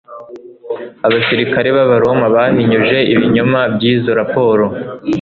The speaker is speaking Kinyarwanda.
abasirikari b'abaroma bahinyuje ibinyoma by'izo raporo.